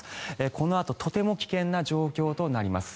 このあととても危険な状況となります。